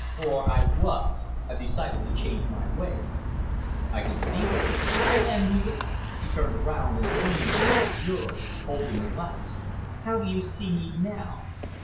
Or I was. I've decided to change my ways." "I can see that." "Can you?" She turned around and leaned against the bureau, holding her glass. "How do you see me now?"